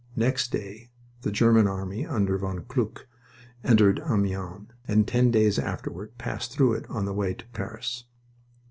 Next day the German army under von Kluck entered Amiens, and ten days afterward passed through it on the way to Paris.